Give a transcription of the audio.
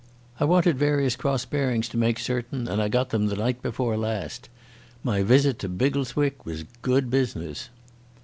"I wanted various cross bearings to make certain, and I got them the night before last. My visit to Biggleswick was good business."